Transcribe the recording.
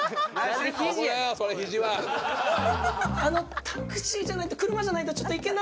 あのタクシーじゃないと。